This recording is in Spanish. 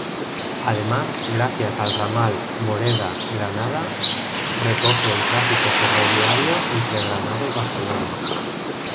Además, gracias al ramal Moreda-Granada recoge el tráfico ferroviario entre Granada y Barcelona.